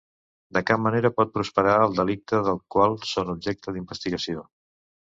De cap manera pot prosperar el delicte del qual són objecte d’investigació.